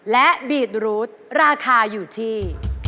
และบีดรูดราคาอยู่ที่